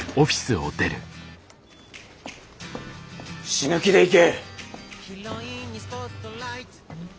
死ぬ気でいけ！